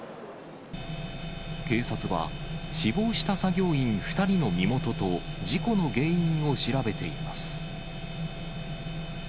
警察は、死亡した作業員２人の身元と事故の原因を調べています。